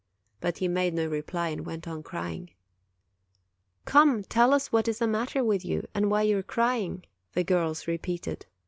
But he made no reply, and went on crying. "Come, tell us what is the matter with you and why you are crying," the girls repeated.